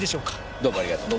どうもありがとう。